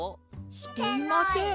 してない。